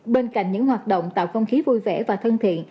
bên cạnh những hoạt động tạo không khí vui vẻ và thân thiện